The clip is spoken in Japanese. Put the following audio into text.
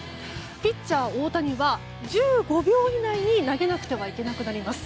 ピッチャー大谷は１５秒以内に投げなくではいけなくなります。